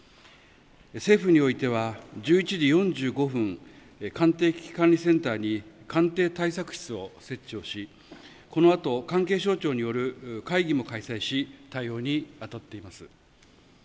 政府においては１１時４５分官邸危機管理センターに官邸対策室を設置しこのあと関係省庁による会議も開催し対応に当たっています。